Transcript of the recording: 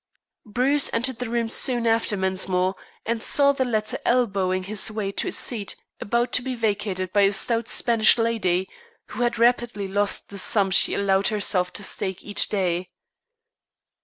Bruce entered the room soon after Mensmore, and saw the latter elbowing his way to a seat about to be vacated by a stout Spanish lady, who had rapidly lost the sum she allowed herself to stake each day.